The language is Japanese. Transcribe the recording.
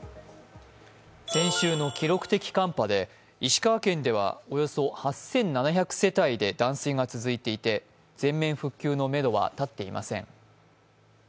先週の記録的寒波で石川県ではおよそ８７００世帯で断水が続いていて、全面復旧のめどはたっていません。